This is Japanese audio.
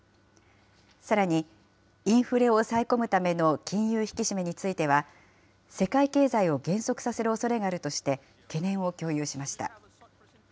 さらにインフレを抑え込むための金融引き締めについては、世界経済を減速させるおそれがあるとして、懸念を共有しました。